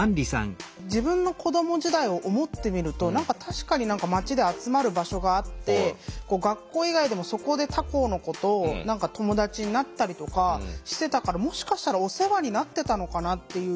自分の子ども時代を思ってみると確かに何か町で集まる場所があって学校以外でもそこで他校の子と友達になったりとかしてたからもしかしたらお世話になってたのかなっていう。